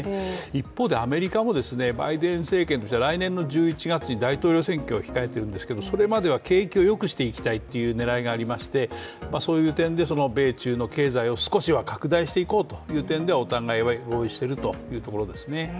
一方でアメリカもバイデン政権が来年の１１月に大統領選挙を控えてるんですけどそれまでは景気をよくしていきたいという狙いがありまして、そういう点で、米中の経済を少しは拡大していこうという点ではお互い合意してるというところですね。